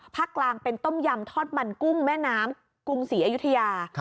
กลางเป็นต้มยำทอดมันกุ้งแม่น้ำกรุงศรีอยุธยา